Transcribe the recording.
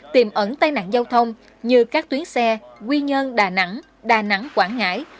tiềm ẩn tai nạn giao thông như các tuyến xe quy nhơn đà nẵng đà nẵng quảng ngãi